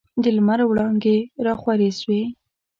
د لمر وړانګي راخورې سوې.